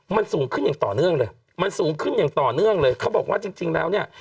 มันสูงขึ้นอย่างต่อเนื่องเลยมันสูงขึ้นอย่างต่อเนื่องเลยเขาบอกว่าจริงจริงแล้วเนี่ย